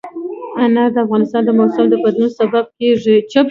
انار د افغانستان د موسم د بدلون سبب کېږي.